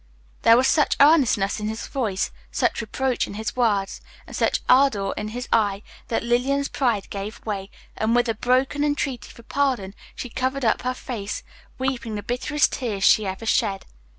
There was such earnestness in his voice, such reproach in his words, and such ardor in his eye, that Lillian's pride gave way, and with a broken entreaty for pardon, she covered up her face, weeping the bitterest tears she ever shed.